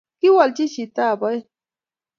kiwalchi chitob aeng